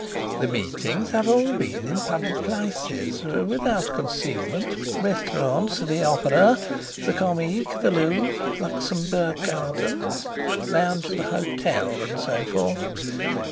The meetings have all been in public places, without concealment—restaurants, the Opera, the Comique, the Louvre, Luxembourg Gardens, lounge of the hotel, and so forth.